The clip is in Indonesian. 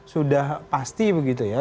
sudah pasti begitu ya